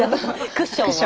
クッションを。